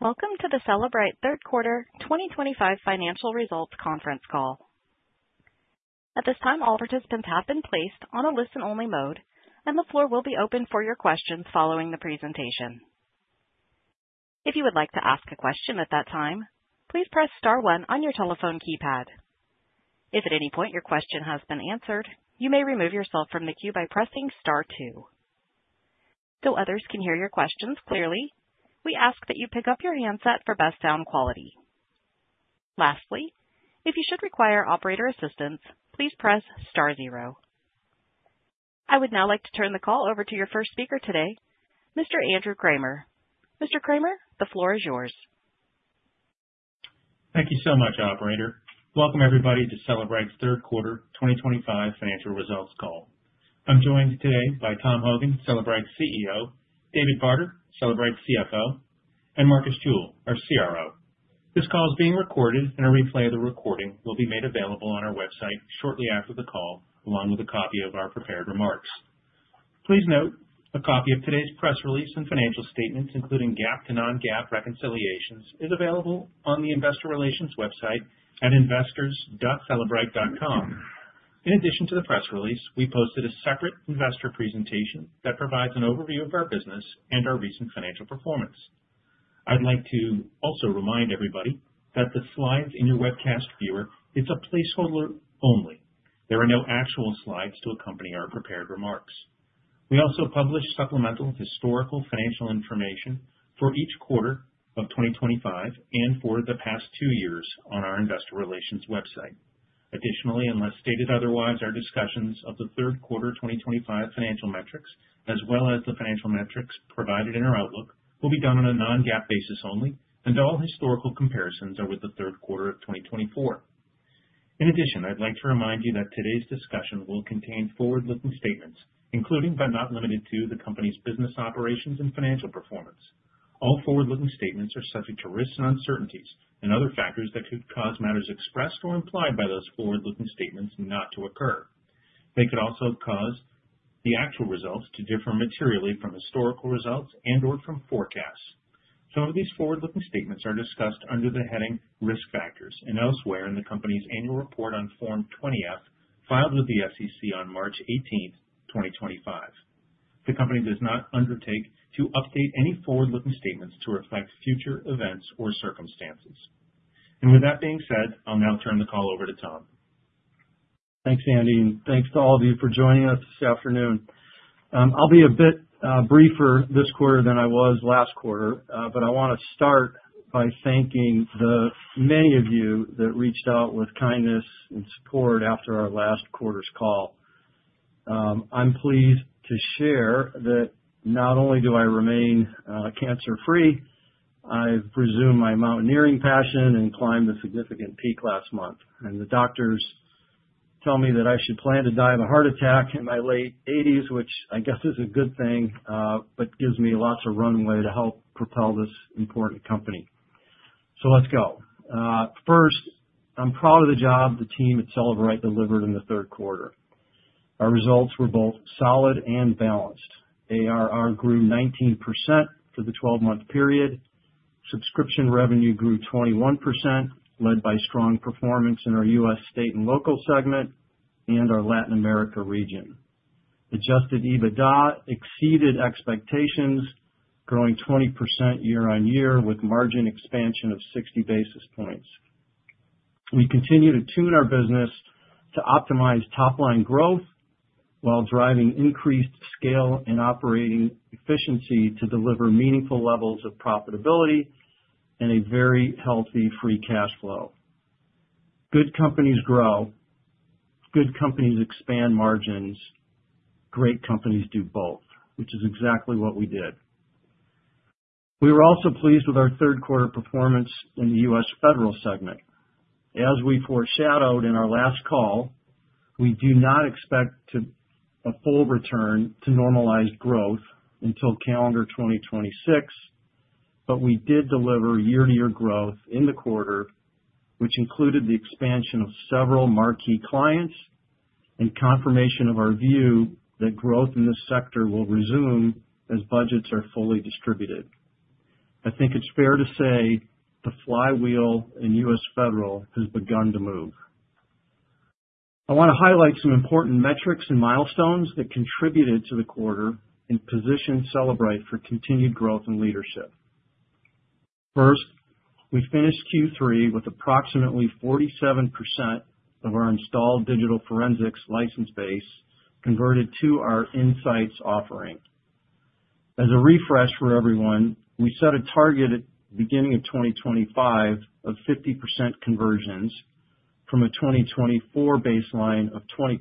Welcome to the Cellebrite Third Quarter 2025 Financial Results Conference Call. At this time, all participants have been placed on a listen only mode and the floor will be open for your questions following the presentation. If you would like to ask a question at that time, please press star one on your telephone keypad. If at any point your question has been answered, you may remove yourself from the queue by pressing star two. Though others can hear your questions clearly, we ask that you pick up your handset for best sound quality. Lastly, if you should require operator assistance, please press zero. I would now like to turn the call over to your first speaker today, Mr. Andrew Kramer. Mr. Kramer, the floor is yours. Thank you so much. Operator, welcome everybody to Cellebrite's third quarter 2025 financial results call. I'm joined today by Tom Hogan, Cellebrite CEO, David Barter, Cellebrite's CFO, and Marcus Jewell, our CRO. This call is being recorded and a replay of the recording will be made available on our website shortly after the call along with a copy of our prepared remarks. Please note, a copy of today's press release and financial statements, including GAAP to non-GAAP reconciliations, is available on the. Investor relations website at investors.cellebrite.com. In addition to the press release, we posted a separate investor. Presentation that provides an overview of our business and our recent financial performance. I'd like to also remind everybody that the slides in your webcast viewer are a placeholder only. There are no actual slides. To accompany our prepared remarks. We also published supplemental historical financial information for each quarter of 2025 and for the past two years on our Investor Relations website. Additionally, unless stated otherwise, our discussions of the third quarter 2025 financial metrics as well as the financial metrics provided in. Our outlook will be done on a non-GAAP basis only and all historical comparisons are with the third quarter of 2024. In addition, I'd like to remind you that today's discussion will contain forward looking statements including but not limited to the Company's business operations and financial performance. All forward looking statements are subject to risks and uncertainties and other factors that could cause matters expressed or implied by those forward looking statements not to occur. They could also cause the actual results to differ materially from historical results and/or from forecasts. Some of these forward-looking statements are discussed under the heading Risk Factors and elsewhere in the company's annual report on. Form 20-F filed with the SEC on March 18, 2025. The company does not undertake to update any forward-looking statements to reflect future events or circumstances. With that being said, I'll now. Turn the call over to Tom. Thanks Andy, and thanks to all of you for joining us this afternoon. I'll be a bit briefer this quarter than I was last quarter, but I want to start by thanking the many of you that reached out with kindness and support after our last quarter's call. I'm pleased to share that not only do I remain cancer-free, I resumed my mountaineering passion and climbed a significant peak last month, and the doctors tell me that I should plan to die of a heart attack in my late 80s, which I guess is a good thing, but gives me lots of runway to help propel this important company, so let's go. First, I'm proud of the job the team at Cellebrite delivered in the third quarter. Our results were both solid and balanced. ARR grew 19% for the 12-month period. Subscription revenue grew 21%, led by strong performance in our U.S. state and local segment and our Latin America region. Adjusted EBITDA exceeded expectations, growing 20% year on year with margin expansion of 60 basis points. We continue to tune our business to optimize top line growth while driving increased scale and operating efficiency to deliver meaningful levels of profitability and a very healthy free cash flow. Good companies grow, good companies expand margins. Great companies do both, which is exactly what we did. We were also pleased with our third quarter performance in the U.S. federal segment. As we foreshadowed in our last call, we do not expect a full return to normalized growth until calendar 2026, but we did deliver year to year growth in the quarter, which included the expansion of several marquee clients and confirmation of our view that growth in this sector will resume as budgets are fully distributed. I think it's fair to say the Flywheel and U.S. Federal has begun to move. I want to highlight some important metrics and milestones that contributed to the quarter and position Cellebrite for continued growth and leadership. First, we finished Q3 with approximately 47% of our installed digital forensics license base converted to our Inseyets offering as a refresh for everyone. We set a target at beginning of 2025 of 50% conversions from a 2024 baseline of 20%.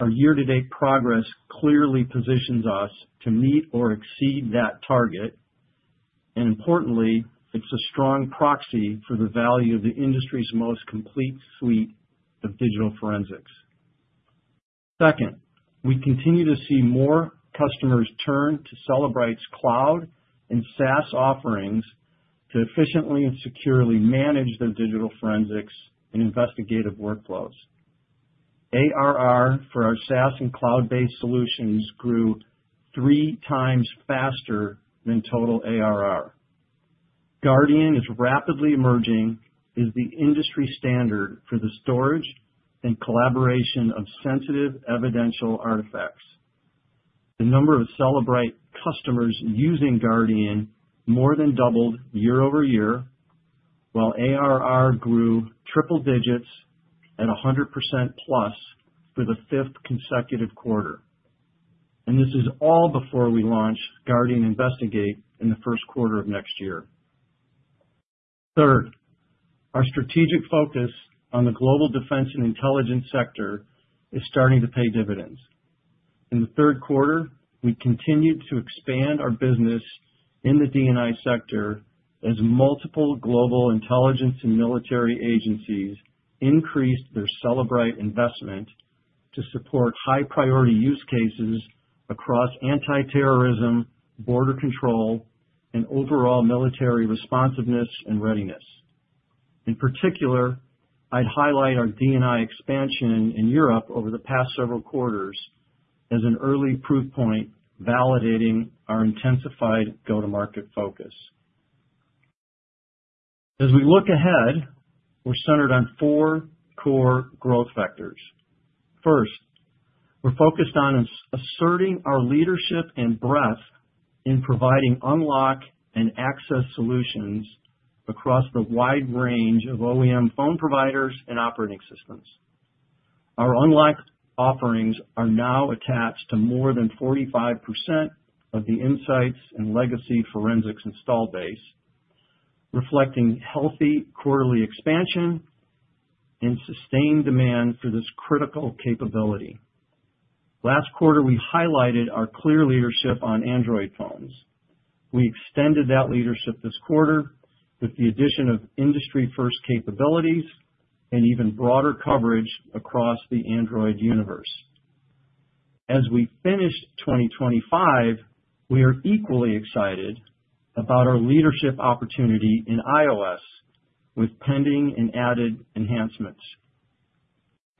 Our year-to-date progress clearly positions us to meet or exceed that target and importantly, it's a strong proxy for the value of the industry's most complete suite of digital forensics. Second, we continue to see more customers turn to Cellebrite's Cloud and SaaS offerings to efficiently and securely manage their digital forensics and investigative workflows. ARR for our SaaS and cloud-based solutions grew three times faster than total ARR. Guardian is rapidly emerging as the industry standard for the storage and collaboration of sensitive evidential artifacts. The number of Cellebrite customers using Guardian more than doubled year over year while ARR grew triple digits at 100% plus for the fifth consecutive quarter. This is all before we launch Guardian Investigate in the first quarter of next year. Third, our strategic focus on the global defense and intelligence sector is starting to pay dividends. In the third quarter, we continued to expand our business in the D&I sector as multiple global intelligence and military agencies increased their Cellebrite investment to support high priority use cases across anti-terrorism, border control, and overall military responsiveness and readiness. In particular, I'd highlight our D&I expansion in Europe over the past several quarters as an early proof point validating our intensified go-to-market focus. As we look ahead, we're centered on four core growth factors. First, we're focused on asserting our leadership and breadth in providing unlock and access solutions across the wide range of OEM phone providers and operating systems. Our unlock offerings are now attached to more than 45% of the Inseyets and legacy forensics installed base, reflecting healthy quarterly expansion and sustained demand for this critical capability. Last quarter we highlighted our clear leadership on Android phones. We extended that leadership this quarter with the addition of industry first capabilities and even broader coverage across the Android universe. As we finished 2025, we are equally excited about our leadership opportunity in iOS. With pending and added enhancements,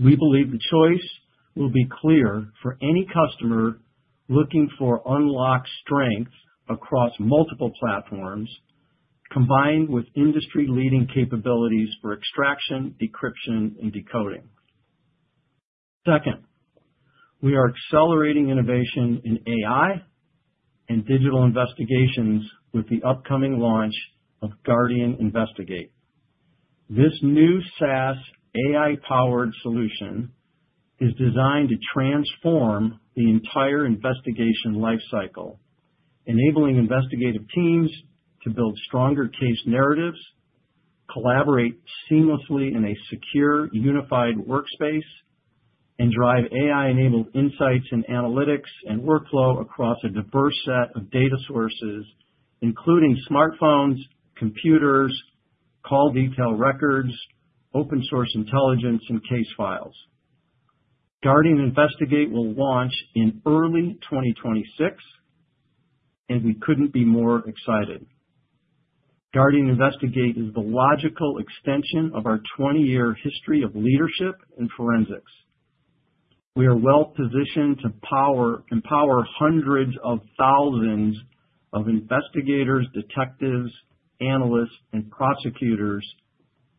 we believe the choice will be clear for any customer looking for unlocked strength across multiple platforms combined with industry leading capabilities for extraction, decryption and decoding. Second, we are accelerating innovation in AI and digital investigations with the upcoming launch of Guardian Investigate. This new SaaS AI-powered solution is designed to transform the entire investigation life cycle, enabling investigative teams to build stronger case narratives, collaborate seamlessly in a secure, unified workspace and drive AI-enabled insights and analytics and workflow across a diverse set of data sources including smartphones, computers, call detail records, open source intelligence and case files. Guardian Investigate will launch in early 2026 and we couldn't be more excited. Guardian Investigate is the logical extension of our 20-year history of leadership and forensics. We are well positioned to empower hundreds of thousands of investigators, detectives, analysts and prosecutors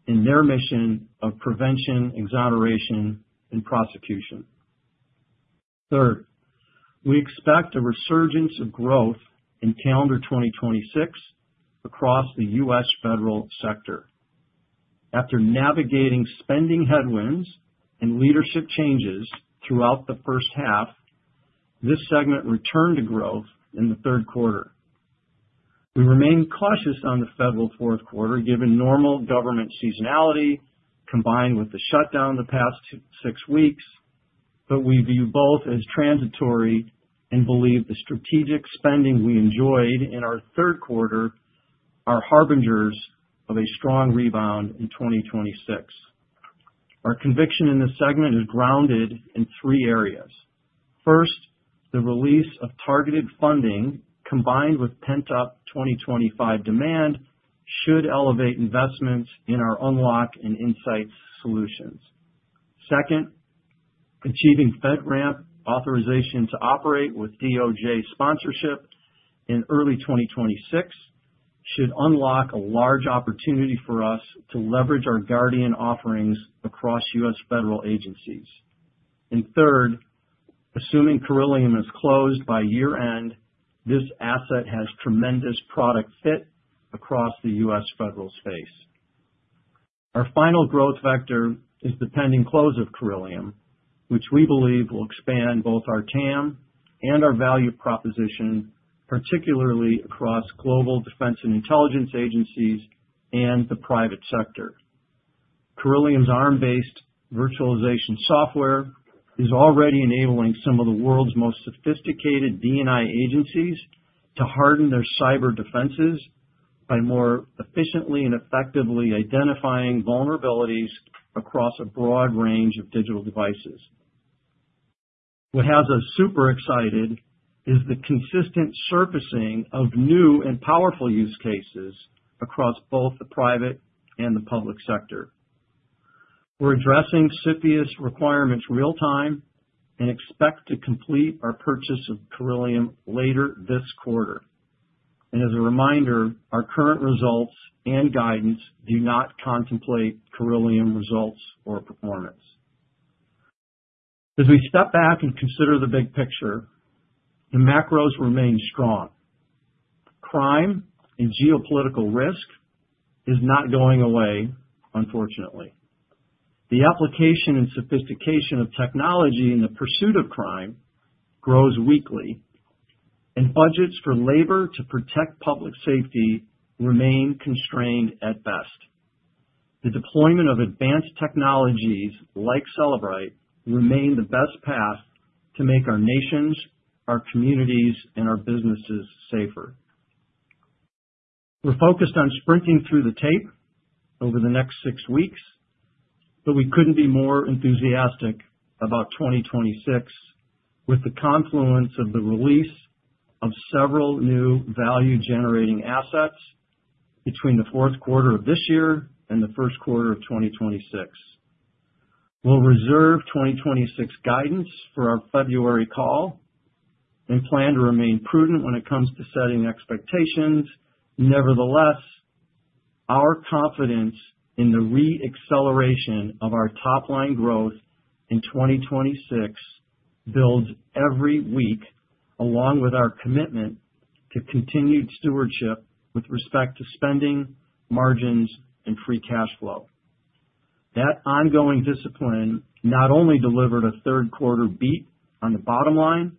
in their mission of prevention, exoneration and prosecution. Third, we expect a resurgence of growth in calendar 2026 across the U.S. federal sector. After navigating spending headwinds and leadership changes throughout the first half, this segment returned to growth in the third quarter. We remain cautious on the federal fourth quarter given normal government seasonality combined with the shutdown the past six weeks. But we view both as transitory and believe the strategic spending we enjoyed in our third quarter are harbingers of a strong rebound in 2026. Our conviction in this segment is grounded in three areas. First, the release of targeted funding combined with pent up 2025 demand should elevate investments in our Unlock and Inseyets solutions. Second, achieving FedRAMP authorization to operate with DOJ sponsorship in early 2026 should unlock a large opportunity for us to leverage our Guardian offerings across U.S. federal agencies. And third, assuming Corellium is closed by year end, this asset has tremendous product fit across the U.S. federal space. Our final growth vector is the pending close of Corellium, which we believe will expand both our TAM and our value proposition, particularly across global defense and intelligence agencies and the private sector. Corellium's ARM based virtualization software is already enabling some of the world's most sophisticated D&I agencies to harden their cyber defenses by more efficiently and effectively identifying vulnerabilities across a broad range of digital devices. What has us super excited is the consistent surfacing of new and powerful use cases across both the private and the public sector. We're addressing CFIUS requirements real time and expect to complete our purchase of Corellium later this quarter. As a reminder, our current results and guidance do not contemplate Corellium results or performance. As we step back and consider the big picture. The macros remain strong. Crime and geopolitical risk is not going away. Unfortunately, the application and sophistication of technology in the pursuit of crime grows weekly and budgets for labor to protect public safety remain constrained at best. The deployment of advanced technologies like Cellebrite remain the best path to make our nations, our communities and our businesses safer. We're focused on sprinting through the tape over the next six weeks, but we couldn't be more enthusiastic about 2026 with the confluence of the release of several new value generating assets between the fourth quarter of this year and the first quarter of 2026. We'll reserve 2026 guidance for our February call and plan to remain prudent when it comes to setting expectations. Nevertheless, our confidence in the reacceleration of our top line growth in 2026 builds every week, along with our commitment to continued stewardship with respect to spending margins and free cash flow. That ongoing discipline not only delivered a third quarter beat on the bottom line,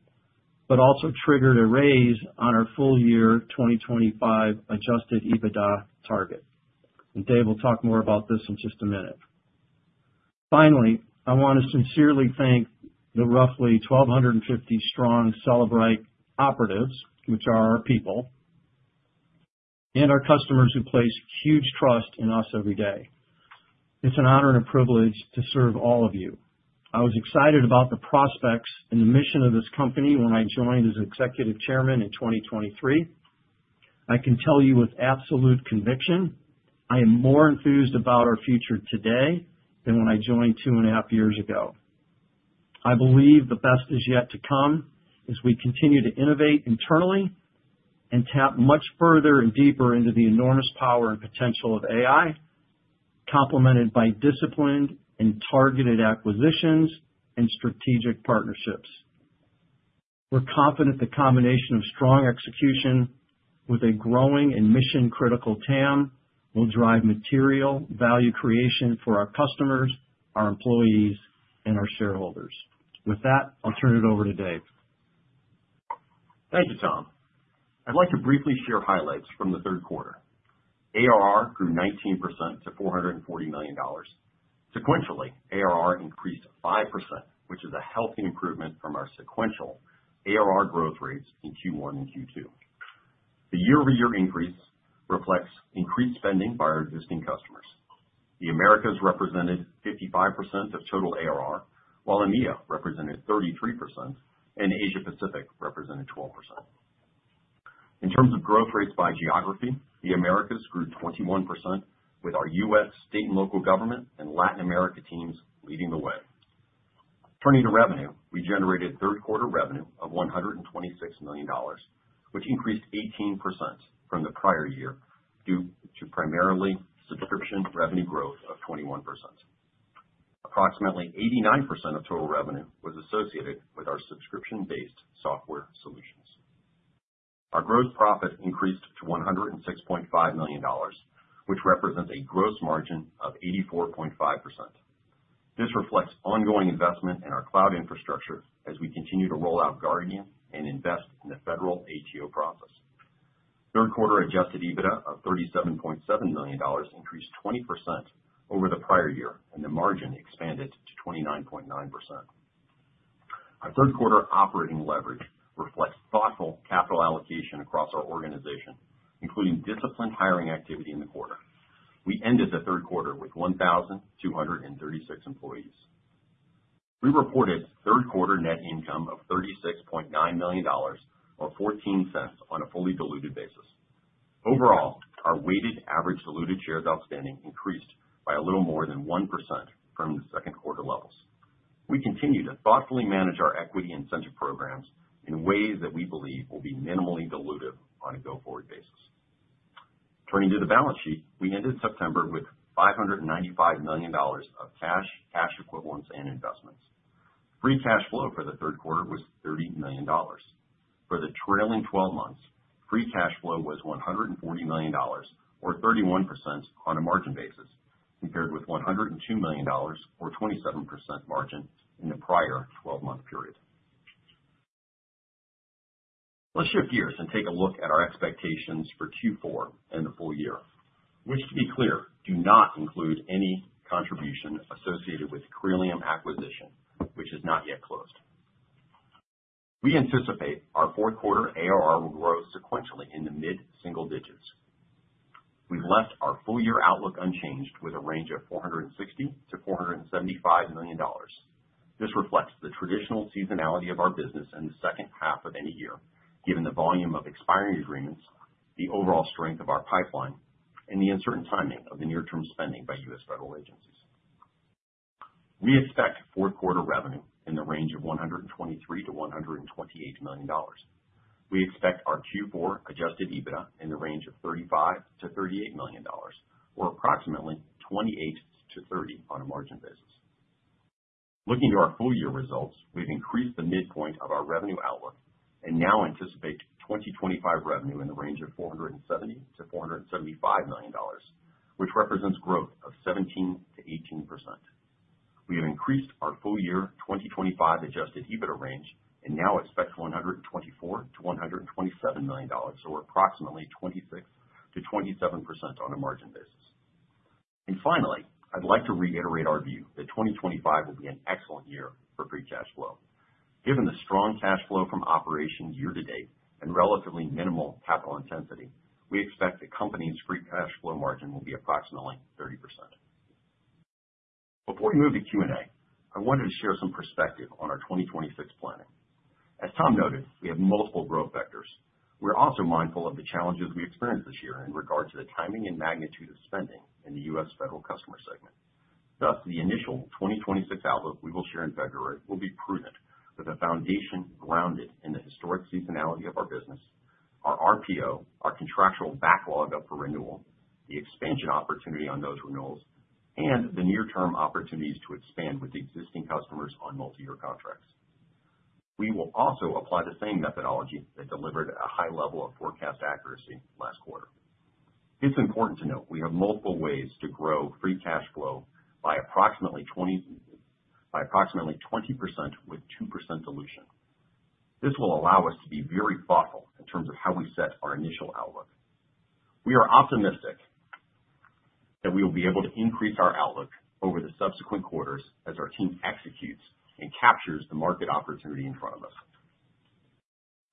but also triggered a raise on our full year 2025 adjusted EBITDA target and Dave will talk more about this in just a minute. Finally, I want to sincerely thank the roughly 1250 strong Cellebrite operatives, which are our people. Our customers who place huge trust in us every day. It's an honor and a privilege to serve all of you. I was excited about the prospects and the mission of this company when I joined as Executive Chairman in 2023. I can tell you with absolute conviction I am more enthused about our future today than when I joined two and a half years ago. I believe the best is yet to come as we continue to innovate internally and tap much further and deeper into the enormous power and potential of AI, complemented by disciplined and targeted acquisitions and strategic partnerships. We're confident the combination of strong execution with a growing and mission critical TAM, we'll drive material value creation for our customers, our employees and our shareholders. With that, I'll turn it over to Dave. Thank you, Tom. I'd like to briefly share highlights from the third quarter. ARR grew 19% to $440 million. Sequentially, ARR increased 5%, which is a healthy improvement from our sequential ARR growth rates in Q1 and Q2. The year-over-year increase reflects increased spending by our existing customers. The Americas represented 55% of total ARR, while EMEA represented 33% and Asia Pacific represented 12%. In terms of growth rates by geography, the Americas grew 21% with our U.S. State and local government and Latin America teams leading the way. Turning to revenue, we generated third quarter revenue of $126 million, which increased 18% from the prior year due to primarily subscription revenue growth of 21%. Approximately 89% of total revenue was associated with our subscription-based software solutions. Our gross profit increased to $106.5 million, which represents a gross margin of 84.5%. This reflects ongoing investment in our cloud infrastructure as we continue to roll out Guardian and invest in the Federal ATO process. Third quarter adjusted EBITDA of $37.7 million increased 20% over the prior year and the margin expanded to 29.9%. Our third quarter operating leverage reflects thoughtful capital allocation across our organization, including disciplined hiring activity in the quarter. We ended the third quarter with 1,236 employees. We reported third quarter net income of $36.9 million, or $0.14 on a fully diluted basis. Overall, our weighted average diluted shares outstanding increased by a little more than 1% from the second quarter levels. We continue to thoughtfully manage our equity incentive programs in ways that we believe will be minimally dilutive on a go forward basis. Turning to the balance sheet, we ended September with $595 million of cash, cash equivalents and investments. Free cash flow for the third quarter was $30 million. For the trailing 12 months, free cash flow was $140 million or 31% on a margin basis, compared with $102 million or 27% margin in the prior 12-month period. Let's shift gears and take a look at our expectations for Q4 and the full year, which to be clear, do not include any contribution associated with Corellium acquisition which is not yet closed. We anticipate our fourth quarter ARR will grow sequentially in the mid single digits. We left our full year outlook unchanged with a range of $460 to $475 million. This reflects the traditional seasonality of our business in the second half of any year. Given the volume of expiring agreements, the overall strength of our pipeline, and the uncertain timing of the near term spending by U.S. federal agencies, we expect fourth quarter revenue in the range of $123 to $128 million. We expect our Q4 adjusted EBITDA in the range of $35 to $38 million, or approximately 28% to 30% on a margin basis. Looking to our full year results, we've increased the midpoint of our revenue outlook and now anticipate 2025 revenue in the range $470 to $475 million, which represents growth of 17% to 18%. We have increased our full year 2025 adjusted EBITDA range and now expect $124 to $127 million, or approximately 26% to 27% on a margin basis. And finally, I'd like to reiterate our view that 2025 will be an excellent year for free cash flow. Given the strong cash flow from operations year to date and relatively minimal capital intensity, we expect the company's free cash flow margin will be approximately 30%. Before we move to Q and A, I wanted to share some perspective on our 2026 planning. As Tom noted, we have multiple growth vectors. We're also mindful of the challenges we experienced this year in regard to the timing and magnitude of spending in the U.S. federal customer segment. Thus, the initial 2026 outlook we will share in February will be prudent with a foundation grounded in the historic seasonality of our business. Our RPO, our contractual backlog up for renewal, the expansion opportunity on those renewals, and the near term opportunities to expand with the existing customers on multiyear contracts. We will also apply the same methodology that delivered a high level of forecast accuracy last quarter. It's important to note we have multiple ways to grow free cash flow. By approximately 20% with 2% dilution. This will allow us to be very thoughtful in terms of how we set our initial outlook. We are optimistic that we will be able to increase our outlook over the subsequent quarters as our team executes and captures the market opportunity in front of us.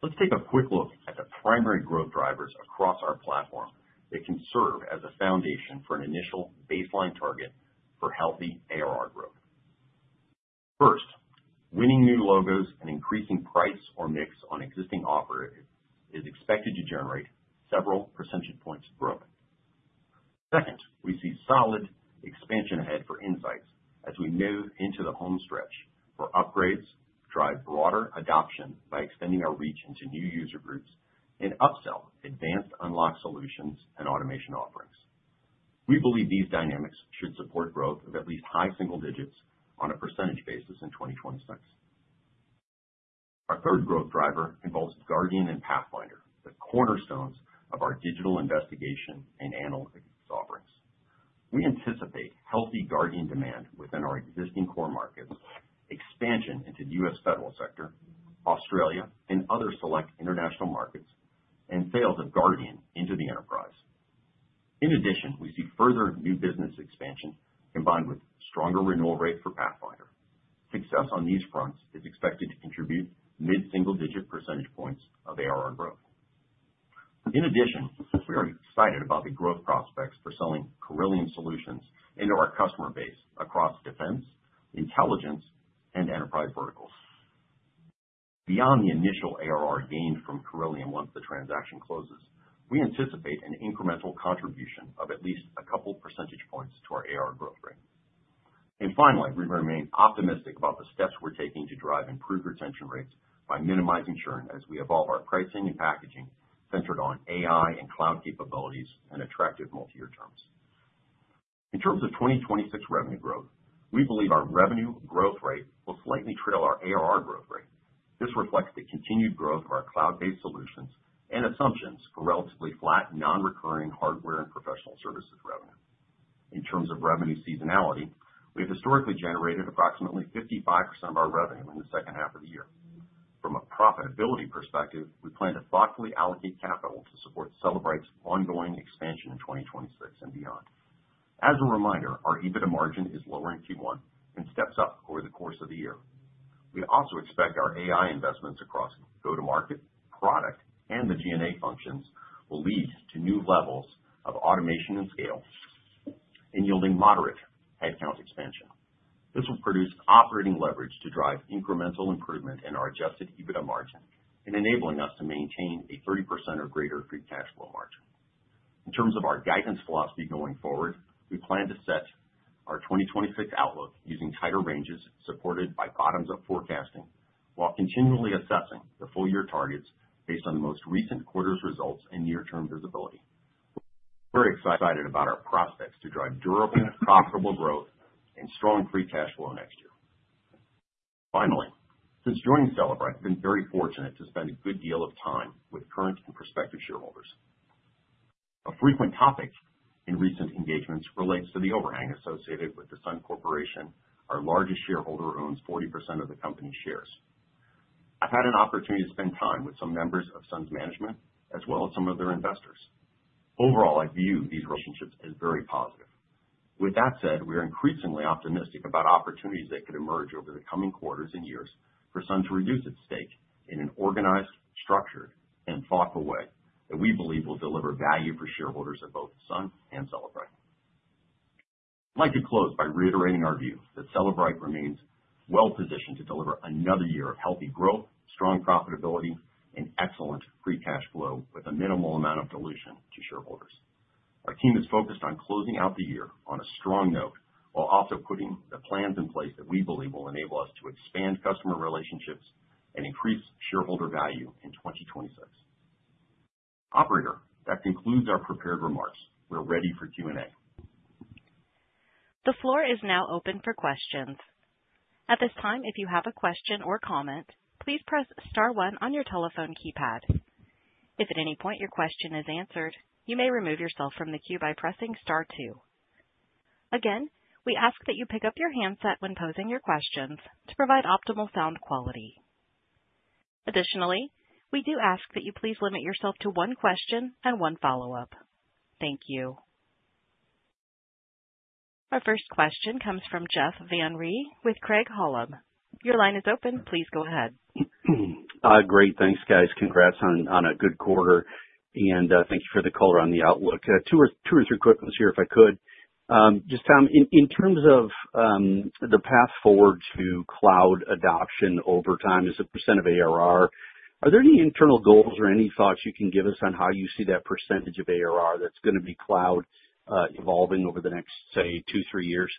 Let's take a quick look at the primary growth drivers across our platform that can serve as a foundation for an initial baseline target for healthy ARR growth. First, winning new logos and increasing price or mix on existing offerings is expected to generate several percentage points growth. Second, we see solid expansion ahead for Inseyets as we move into the home stretch for upgrades, drive broader adoption by extending our reach into new user groups and upsell advanced unlock solutions and automation offerings. We believe these dynamics should support growth of at least high single digits on a percentage basis in 2026. Our third growth driver involves Guardian and Pathfinder, the cornerstones of our digital investigation and analytics offerings. We anticipate healthy Guardian demand within our existing core markets, expansion into the U.S. Federal sector, Australia and other select international markets, and sales of Guardian into the enterprise. In addition, we see further new business expansion combined with stronger renewal rate for Pathfinder. Success on these fronts is expected to contribute mid single digit percentage points of ARR growth. In addition, we are excited about the growth prospects for selling Corellium solutions into our customer base across defense, intelligence and enterprise verticals beyond the initial ARR gained from Corellium. Once the transaction closes, we anticipate an incremental contribution of at least a couple percentage points to our ARR growth rate. And finally, we remain optimistic about the steps we're taking to drive improved retention rates by minimizing churn as we evolve our pricing and packaging centered on AI and cloud-based capabilities and attractive multiyear terms. In terms of 2026 revenue growth, we believe our revenue growth rate will slightly trail our ARR growth rate. This reflects the continued growth of our cloud-based solutions and assumptions for relatively flat non-recurring hardware and professional services revenue. In terms of revenue seasonality, we've historically generated approximately 55% of our revenue in the second half of the year. From a profitability perspective, we plan to thoughtfully allocate capital to support Cellebrite's ongoing expansion in 2026 and beyond. As a reminder, our EBITDA margin is lower in Q1 and steps up over the course of the year. We also expect our AI investments across go-to-market, product, and the G&A functions will lead to new levels of automation and scale and yield moderate headcount expansion. This will produce operating leverage to drive incremental improvement in our adjusted EBITDA margin and enable us to maintain a 30% or greater free cash flow margin. In terms of our guidance philosophy going forward, we plan to set our 2026 outlook using tighter ranges supported by bottoms-up forecasting while continually assessing full-year targets based on the most recent quarter's results and near-term visibility. We're very excited about our prospects to drive durable, profitable growth and strong free cash flow next year. Finally, since joining Cellebrite, I've been very fortunate to spend a good deal of time with current and prospective shareholders. A frequent topic in recent engagements relates to the overhang associated with the Sun Corporation. Our largest shareholder owns 40% of the company's shares. I've had an opportunity to spend time with some members of Sun's management as well as some of their investors. Overall, I view these relationships as very positive. With that said, we are increasingly optimistic about opportunities that could emerge over the coming quarters and years for Sun to reduce its stake in an organized, structured and thoughtful way that we believe will deliver value for shareholders of both Sun and Cellebrite. I'd like to close by reiterating our view that Cellebrite remains well positioned to deliver another year of healthy growth, strong profitability and excellent Free Cash Flow with a minimal amount of dilution to shareholders. Our team is focused on closing out the year on a strong note while also putting the plans in place that we believe will enable us to expand customer relationships and increase shareholder value in 2026. Operator, that concludes our prepared remarks. We're ready for Q and A. The floor is now open for questions. At this time, if you have a question or comment, please press star one on your telephone keypad. If at any point your question is answered, you may remove yourself from the queue by pressing star two. Again, we ask that you pick up your handset when posing your questions to provide optimal sound quality. Additionally, we do ask that you please limit yourself to one question and one follow up. Thank you. Our first question comes from Jeff Van Rhee with Craig-Hallum. Your line is open. Please go ahead. Great. Thanks guys. Congrats on a good quarter and thank you for the color on the outlook. Two or three quick ones here. If I could just, Tom, in terms of the path forward to cloud adoption over time as a percent of ARR, are there any internal goals or any thoughts you can give us on how. You see that percentage of ARR that's going to be cloud evolving over the next, say, two, three years?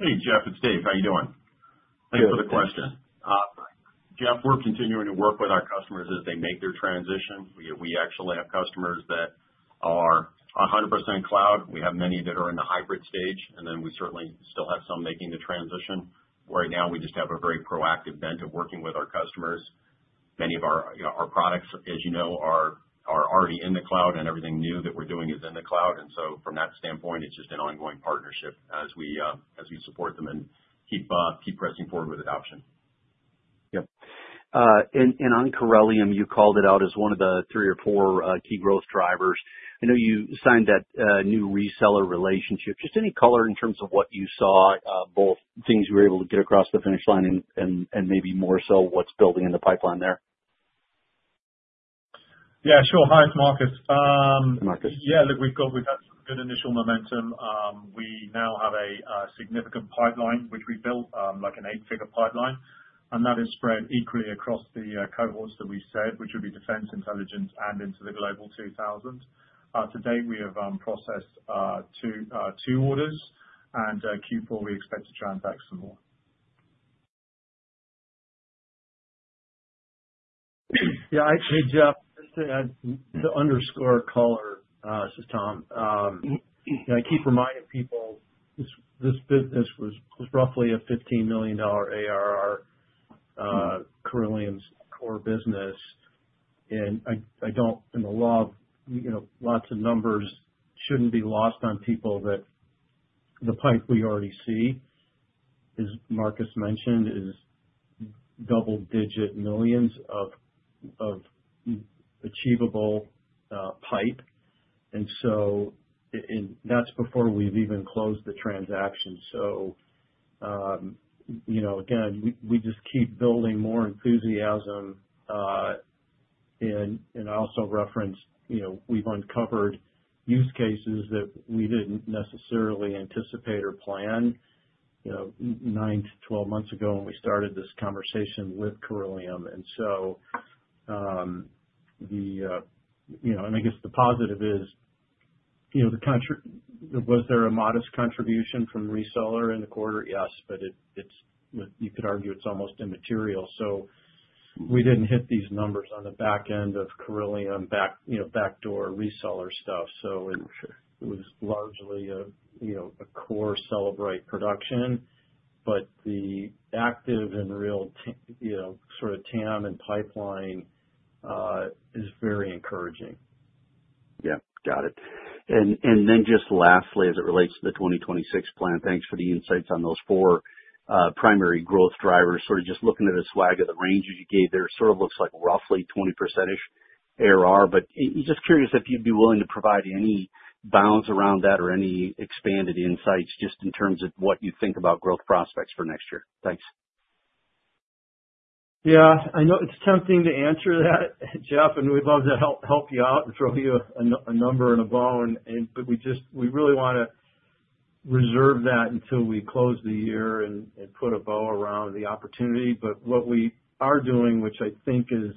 Hey, Jeff, it's Dave. How are you doing? Thanks for the question, Jeff. We're continuing to work with our customers as they make their transition. We actually have customers that are 100% cloud. We have many that are in the hybrid stage and then we certainly still have some making the transition. Right now we just have a very proactive bent of working with our customers. Many of our products, as you know, are already in the cloud and everything new that we're doing is in the cloud. And so from that standpoint, it's just an ongoing partnership as we support them and keep pressing forward with adoption. Yep. On Corellium, you called it out. As one of the three or four key growth drivers. I know you signed that new reseller relationship. Just any color in terms of what you saw. Both things you were able to get. Across the finish line and maybe more. So what's building in the pipeline there? Yeah, sure. Hi, Marcus. Marcus. Yeah, look, we've got good initial momentum. We now have a significant pipeline which we built like an eight-figure pipeline and that is spread equally across the cohorts that we said, which would be defense and intelligence and into the Global 2000. To date we have processed two orders in Q4. We expect to transact some more. Yeah. Hey, Jeff. To add some color, this is Tom. I keep reminding people this business was roughly a $15 million ARR Cellebrite's core business. And I don't think the import of these numbers should be lost on people that the pipeline we already see, as Marcus mentioned, is double-digit millions of achievable pipeline, and so that's before we've even closed the transaction. So you know, again, we just keep building more enthusiasm. And I also referenced, you know, we've uncovered use cases that we didn't necessarily anticipate or plan nine to 12 months ago when we started this conversation with Corellium. And so, you know, and I guess the positive is, you know, the contrary. Was there a modest contribution from reseller in the quarter? Yes, but it, you could argue it's almost immaterial. So we didn't hit these numbers on the back end of Corellium, backdoor reseller stuff. So it was largely a core Cellebrite production. But the active and real sort of TAM and pipeline is very encouraging. Yep, got it. And then just lastly, as it relates. To the 2026 plan, thanks for the insights on those four primary growth drivers. Sort of just looking at a swag of the ranges you gave there sort of looks like roughly 20% ish. ARR. But just curious if you'd be willing to provide any bounds around that or any expanded insights just in terms of? What you think about growth prospects for next year? Yeah, I know it's tempting to answer that, Jeff, and we'd love to help you out and throw you a number and a bone, but we just really want to reserve that until we close the year and put a bow around the opportunity. But what we are doing, which I think is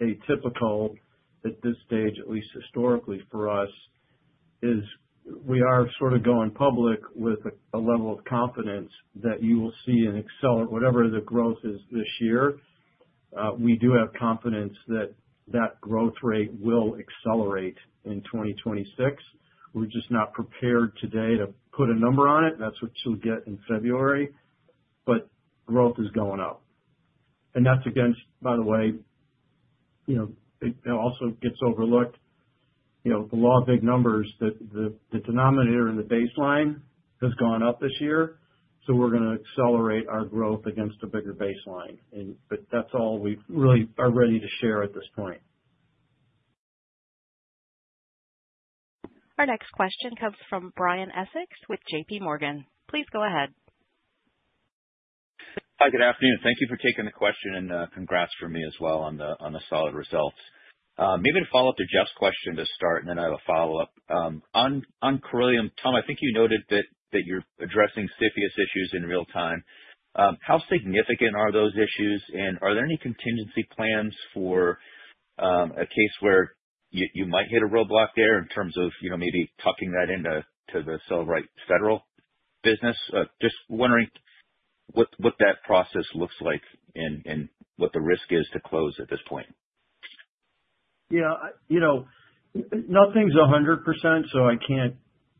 atypical at this stage, at least historically for us, is we are sort of going public with a level of confidence that you will see and accelerate whatever the growth is this year. We do have confidence that that growth rate will accelerate in 2026. We're just not prepared today to put a number on it. That's what you'll get in February. But growth is going up and that's against, by the way. You know, it also gets overlooked, you know, the law of big numbers that the denominator and the baseline has gone up this year, so we're going to accelerate our growth against a bigger baseline, but that's all we really are ready to share at this point. Our next question comes from Brian Essex with J.P. Morgan. Please go ahead. Hi, good afternoon. Thank you for taking the question and congrats for me as well on the solid results. Maybe to follow up to Jeff's question to start and then I have a follow up on Corellium. Tom, I think you noted that you're addressing CFIUS issues in real time. How significant are those issues and are? there any contingency plans for a case where you might hit a roadblock there? In terms of maybe tucking that into. The Cellebrite Federal business? Just wondering what that process looks like and what the risk is to close at this point. Yeah, nothing's 100%, so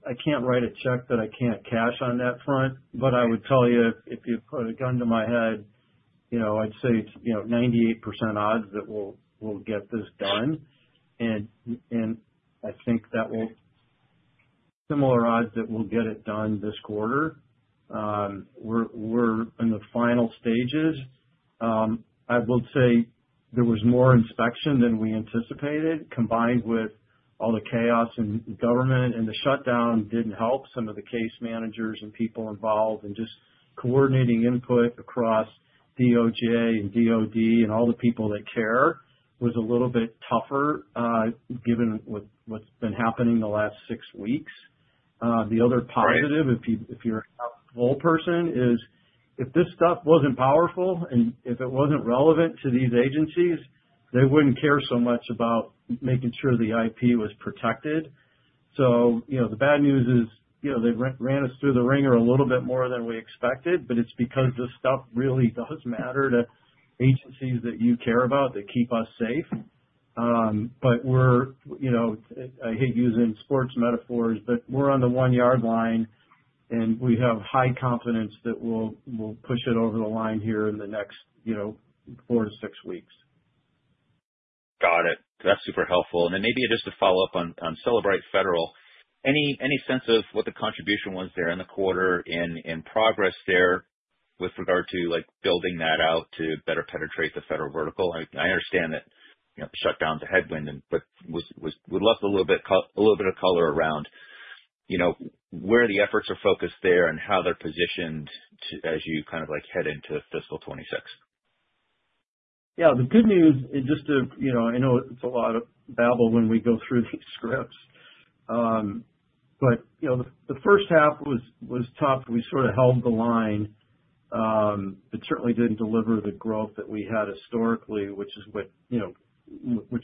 I can't write a check that I can't cash on that front. But I would tell you, if you. Put a gun to my head, I'd say it's 98% odds that we'll get this done, and I think that will solidify that we'll get it done this quarter. We're in the final stages. I will say there was more inspection than we anticipated. Combined with all the chaos in government and the shutdown, it didn't help some of the case managers and people involved, and just coordinating input across DOJ and DOD and all the people that care was a little bit tougher given what's been happening the last six weeks. The other positive, if you're a glass half full person, is if this stuff wasn't powerful and if it wasn't relevant to these agencies, they wouldn't care so much about making sure the IP was protected. So the bad news is, you know, they ran us through the wringer a little bit more than we expected. But it's because this stuff really does matter to agencies that you care about that keep us safe. We're, you know, I hate using sports metaphors, but we're on the one yard line and we have high confidence that we'll push it over the line here in the next, you know, four to six weeks. Got it. That's super helpful. Maybe just to follow up on Cellebrite Federal, any sense of what? The contribution was there in the quarter, and progress there with regard to like building that out to better penetrate the federal vertical. I understand that shutdown's a headwind, but would love a little bit of color around where the efforts are focused there and how they're positioned as you kind of like head into fiscal 2026. Yeah. The good news, just to, I know it's a lot of babble when we go through these scripts. But the first half was tough. We sort of held the line, but certainly didn't deliver the growth that we had historically, which is what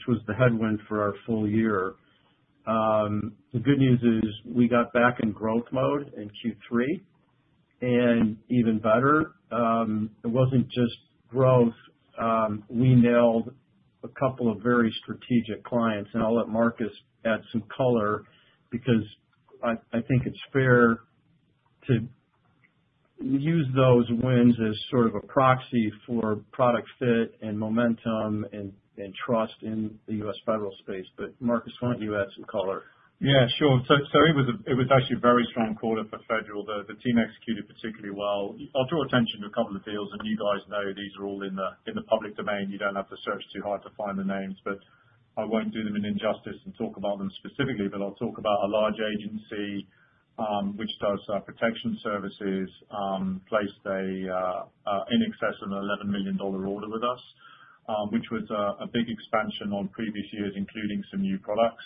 was the headwind for our full year. The good news is we got back in growth mode in Q3. And even better, it wasn't just growth. We nailed a couple of very strategic clients. And I'll let Marcus add some color because I think it's fair to use those wins as sort of a proxy for product fit and momentum and trust in the U.S. Federal space. But Marcus, why don't you add some color? Yeah, sure. So it was actually a very strong quarter for Federal. The team executed particularly well. I'll draw attention to a couple of deals and you guys know these are all in the public domain. You don't have to search too hard to find the names, but I won't do them an injustice and talk about them specifically. But I'll talk about a large agency which does protection services placed in excess of an $11 million order with us, which was a big expansion on previous years, including some new products.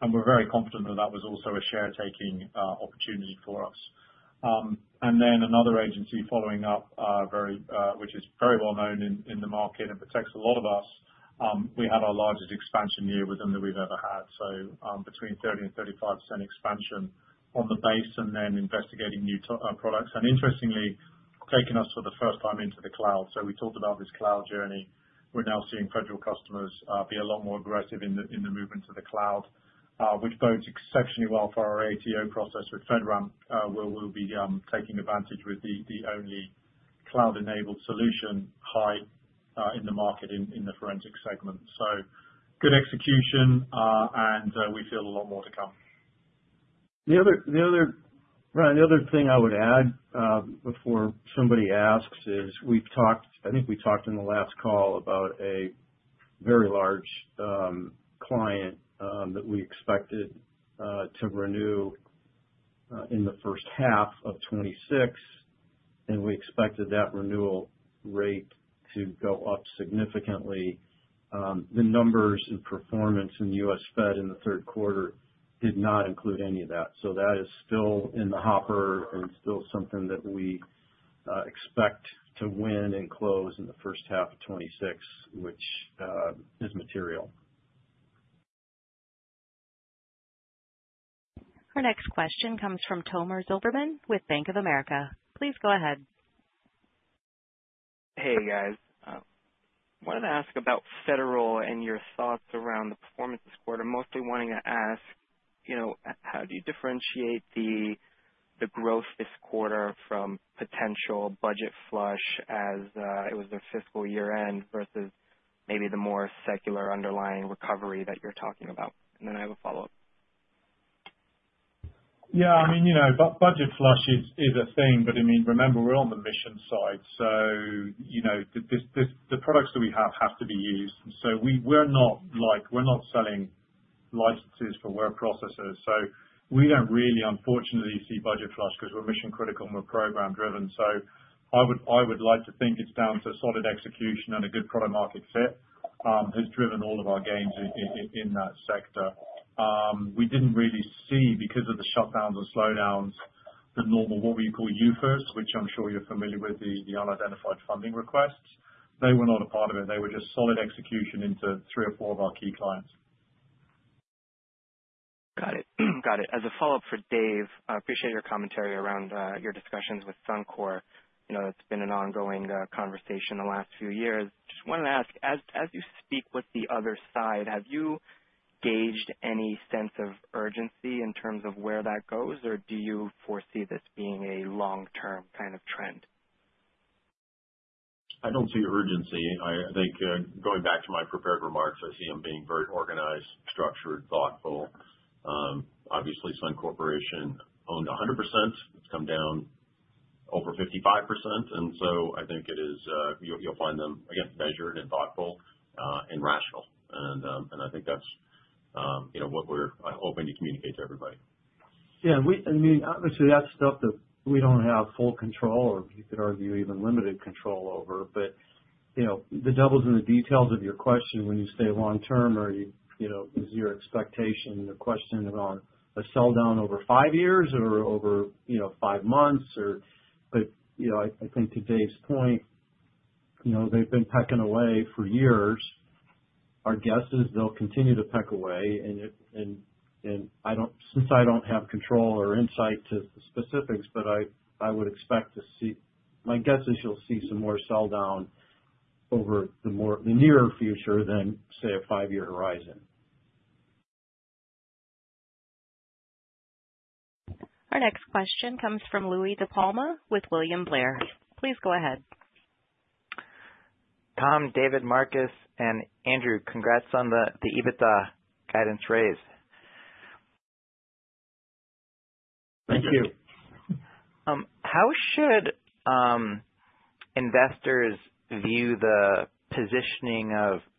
And we're very confident that that was also a share taking opportunity. Opportunity for us and then another agency following up, which is very well known in the market and protects a lot of us. We had our largest expansion year with them that we've ever had. So between 30% and 35% expansion on the base and then investigating new products and interestingly taking us for the first time into the cloud. So we talked about this cloud journey. We're now seeing federal customers be a lot more aggressive in the movement to the cloud, which bodes exceptionally well for our ATO process with FedRAMP where we'll be taking advantage with the only cloud-enabled solution highest in the market in the forensic segment. So good execution and we feel a lot more to come. Ryan, the other thing I would add before somebody asks is we've talked, I think we talked in the last call about a very large client that we expected to renew in 1H26 and we expected that renewal rate to go up significantly. The numbers and performance in U.S. Fed in the third quarter did not include any of that. So that is still in the hopper and still something that we expect to win and close in 1H26, which is material. Our next question comes from Tomer Zilberman with Bank of America. Please go ahead. Hey guys, I wanted to ask about federal and your thoughts around the performance this quarter. Mostly wanting to ask how do you differentiate the growth this quarter from potential budget flush as it was the fiscal year end versus maybe the more secular underlying recovery that you're talking about. And then I have a follow-up. Yes, I mean, you know, budget flush is a thing, but I mean, remember we're on the mission side, so you know, the products that we have have to be used. So we're not like selling licenses for word processors. So we don't really unfortunately see budget flush because we're mission critical and we're program driven. So I would like to think it's down to solid execution and a good product-market fit has driven all of our gains in that sector. We didn't really see, because of the shutdowns and slowdowns, the normal what we call UFOs, which I'm sure you're familiar with, the unidentified funding requests. They were not a part of it. They were just solid execution into three or four of our key clients. Got it, got it. As a follow up for Dave, I appreciate your commentary around your discussions with Sun Corporation. You know, it's been an ongoing conversation the last few years. Just wanted to ask, as you speak with the other side, have you gauged any sense of urgency in terms of where that goes or do you foresee this being a long term kind of trend? I don't see urgency. I think going back to my prepared remarks, I see them being very organized, structured, thoughtful. Obviously Sun Corporation owned 100%. It's come down over 55% and so I think it is. You'll find them again measured and thoughtful and rational and I think that's what we're hoping to communicate to everybody. Yeah, I mean, obviously that's stuff that we don't have full control over, or you could argue even limited control over. But the devil's in the details of your question when you say long term, or, you know, is your expectation the question on a sell down over five years or over, you know, five months or. But, you know, I think to Dave's point, you know, they've been pecking away for years. Our guess is they'll continue to peck away, and I don't, since I don't have control or insight into specifics. But I would expect to see. My guess is you'll see some more sell down over the nearer future than say a five-year horizon. Our next question comes from Louie DiPalma with William Blair. Please go ahead. Tom, David, Marcus, and Andrew. Congrats on the EBITDA guidance raised. Thank you. How should investors view the positioning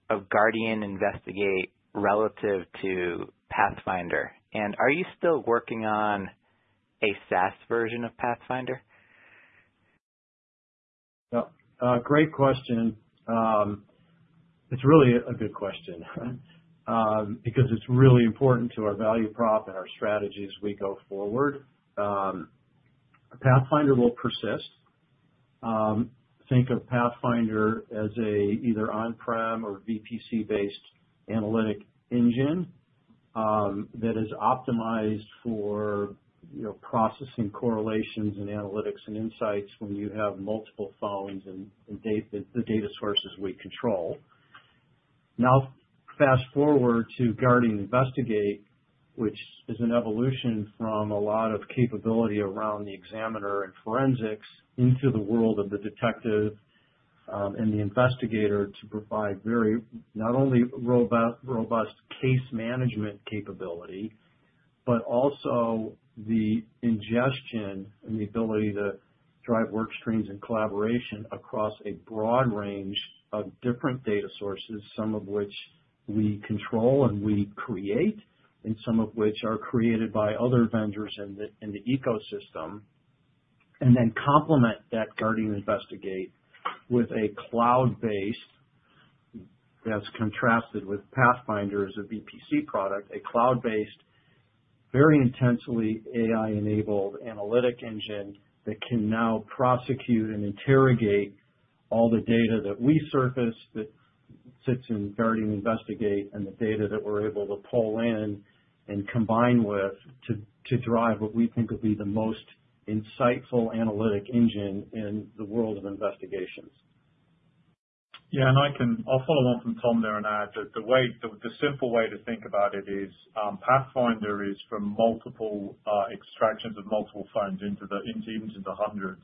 of Guardian Investigate relative to Pathfinder? And are you still working on a SaaS version of Pathfinder? Great question. It's really a good question because it's really important to our value prop and our strategies we go forward. Pathfinder will persist. Think of Pathfinder as either on-prem or VPC-based analytic engine that is optimized for processing correlations and analytics and insights when you have multiple phones and the data sources we control. Now fast forward to Guardian Investigate which is an evolution from a lot of capability around the examiner and forensics into the world of the detective and the investigator to provide very, not only robust case management capability but also the ingestion and the ability to drive work streams and collaboration across a broad range of different data sources, some of which we control and we create and some of which are created by other vendors in the ecosystem and then complement that Guardian Investigate with a cloud-based, that's contrasted with Pathfinder as a VPC product, a cloud-based, very intensely AI-enabled analytic engine that can now prosecute and interrogate all the data that we surface that sits in Guardian Investigate and the data that we're able to pull in and combine with to drive what we think will be the most insightful analytic engine in the world of investigations. Yeah, and I can. I'll follow on from Tom there and add that the way. The simple way to think about it is Pathfinder is from multiple extractions of multiple phones into the tens, into hundreds.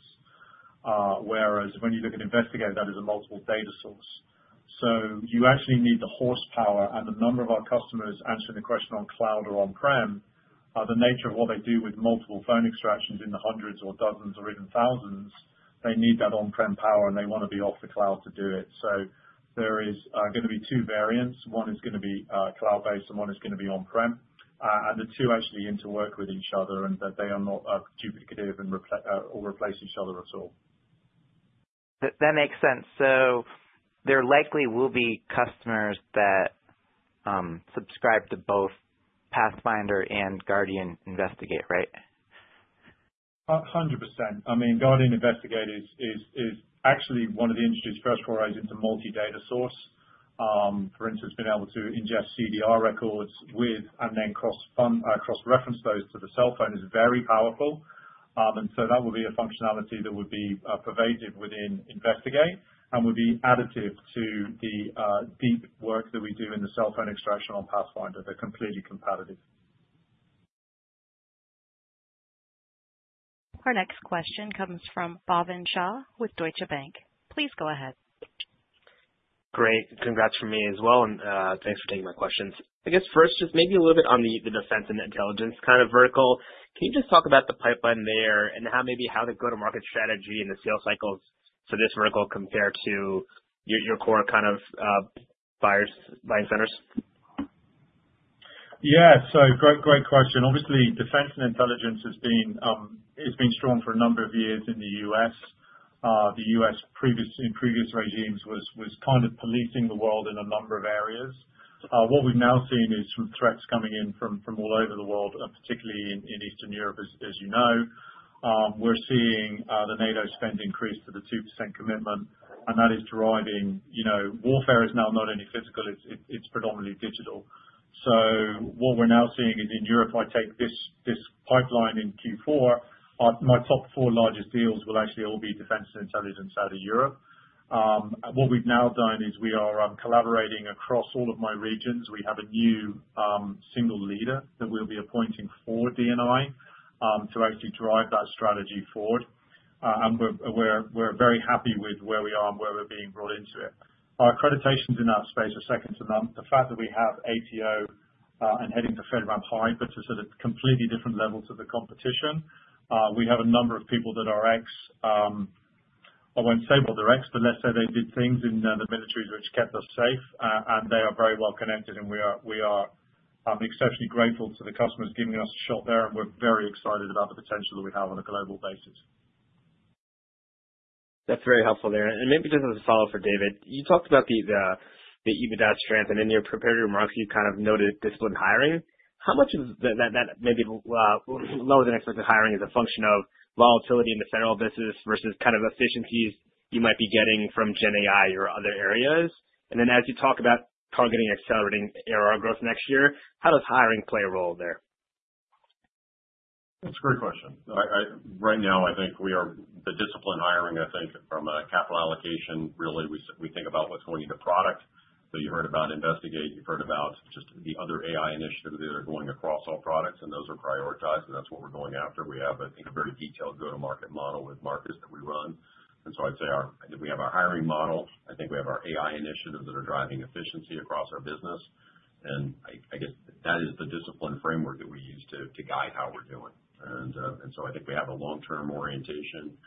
Whereas when you look at Investigator, that is a multiple data source. So you actually need the horsepower and the number of our customers answering the question on cloud or on-prem, the nature of what they do with multiple phone extractions in the hundreds or dozens or even thousands. They need that on-prem power and they want to be off the cloud to do it. So there is going to be two variants. One is going to be cloud-based and one is going to be on-prem and the two actually interwork with each other and that they are not duplicative or replace each other at all. That makes sense, so there likely will be customers that subscribe to both Pathfinder and Guardian Investigate. Right? 100%. I mean, Guardian Investigate is actually one of the introduced fresh forays into multi-data source. For instance, being able to ingest CDR records with and then cross-reference those to the cell phone is very powerful. And so that will be a functionality that would be pervasive within Investigate and would be additive to the deep work that we do in the cell phone extraction on Pathfinder. They're completely complementary. Our next question comes from Bhavin Shah with Deutsche Bank. Please go ahead. Great. Congrats from me as well and thanks for taking my questions. I guess first, just maybe a little bit on the defense and intelligence kind of vertical. Can you just talk about the pipeline there and how maybe the go to market strategy and the sales cycles for this vertical compare to your core kind of buyers, buying centers? Yeah, so great question. Obviously defense and intelligence has been strong for a number of years in the U.S. The U.S. in previous regimes was kind of policing the world in a number of areas. What we've now seen is threats coming in from all over the world, particularly in Eastern Europe. As you know, we're seeing the NATO spend increase to the 2% commitment and that is driving. Warfare is now not only physical, it's predominantly digital. So what we're now seeing is in Europe, I think this part of the pipeline. In Q4, my top four largest deals will actually all be defense and intelligence out of Europe. What we've now done is we are collaborating across all of my regions. We have a new single leader that we'll be appointing for D&I to actually drive that strategy forward. We're very happy with where we are and where we're being brought into it. Our accreditations in that space are second to none. The fact that we have an ATO and heading to FedRAMP Hybrid. Completely different level to the competition. We have a number of people that are ex. I won't say well they're ex, but let's say they did things in the military which kept us safe and they are very well connected and we are exceptionally grateful to the customers giving us a shot there and we're very excited about the potential that we have on a global basis. That's very helpful there. Maybe just as a follow up for David, you talked about the EBITDA strength and in your prepared remarks you kind of noted disciplined hiring. How much of that maybe lower than expected hiring is a function of volatility in the federal business versus kind of efficiencies you might be getting from Gen AI or other areas. Then as you talk about targeting accelerating ARR growth next year, how does hiring play a role there? That's a great question. Right now I think we are disciplined in hiring. I think from capital allocation really we think about what's going into production. So you heard about investigate. You've heard about just the other AI initiatives that are going across all products and those are prioritized and that's what we're going after. We have I think a very detailed go-to-market model with Marcus that we run. And so I'd say we have our hiring model. I think we have our AI initiatives that are driving efficiency across our business and I guess that is the discipline framework that we use to guide how we're doing. And so I think we have a long-term orientation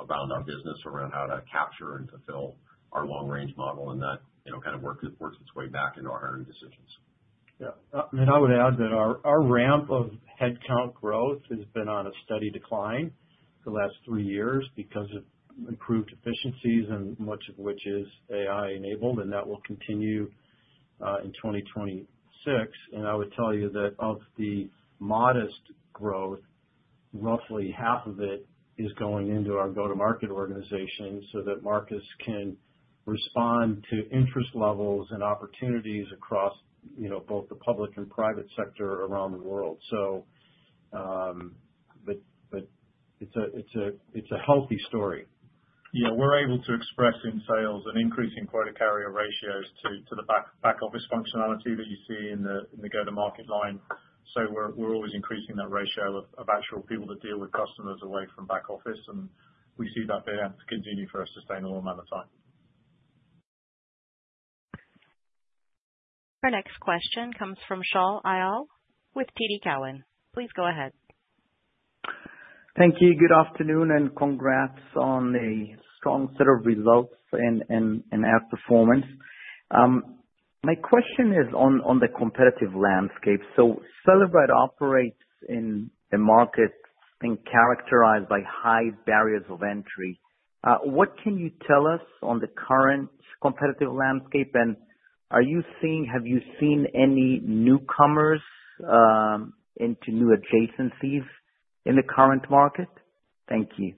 around our business around how to capture and fulfill our long-range model and that kind of works its way back into our hiring decisions. Yeah, I would add that our ramp of headcount growth has been on a steady decline for the last three years because of improved efficiencies and much of which is AI enabled and that will continue in 2026. And I would tell you that of the modest growth, roughly half of it is going into our go to market organization so that Marcus can respond to interest levels and opportunities across, you know, both the public and private sector around the world. So, but it's a healthy story. Yeah, we're able to invest in sales an increasing quota-carrying ratios to the back office functionality that you see in the go-to-market line. So we're always increasing that ratio of actual people that deal with customers away from back office and we see that it can continue for a sustainable amount of time. Our next question comes from Shaul Eyal with TD Cowen. Please go ahead. Thank you. Good afternoon. Congrats on a strong set of results and outperformance. My question is on the competitive landscape. So Cellebrite operates in a market being characterized by high barriers of entry. What can you tell us on the current competitive landscape and are you seeing, have you seen any newcomers into new adjacencies in the current market? Thank you.